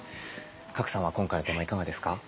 賀来さんは今回のテーマいかがですか？